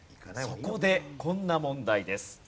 そこでこんな問題です。